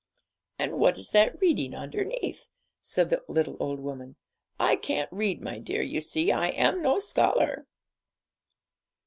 'And what is that reading underneath?' said the little old woman. 'I can't read, my dear, you see; I am no scholar.'